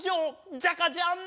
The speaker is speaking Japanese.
ジャカジャン！